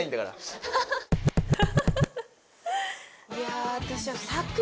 いや私は。